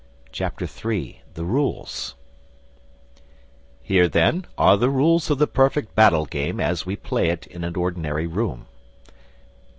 III THE RULES HERE, then, are the rules of the perfect battle game as we play it in an ordinary room.